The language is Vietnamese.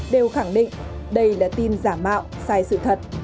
đều khẳng định đây là tin giả mạo sai sự thật